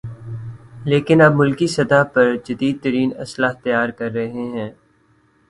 لیکن اب ملک سطحی پر جدیدترین اسلحہ تیار کررہے ہیں